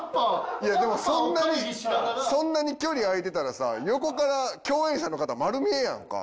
いやでもそんなにそんなに距離空いてたらさ横から共演者の方丸見えやんか。